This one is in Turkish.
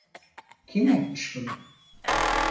Kim yapmış bunu?